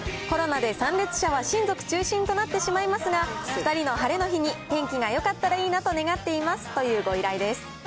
コロナで参列者は親族中心となってしまいますが、２人の晴れの日に、天気がよかったらいいなと願っていますというご依頼です。